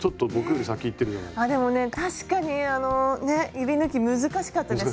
指ぬき難しかったです。